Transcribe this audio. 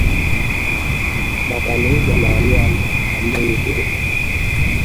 maka na ụzọ na-amị amị ma mmiri zòó.